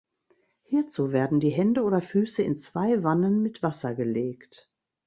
Hierzu werden die Hände oder Füße in zwei Wannen mit Wasser gelegt.